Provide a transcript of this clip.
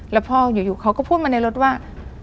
แล้วพ่ออยู่เขาก็พูดมาในรถว่า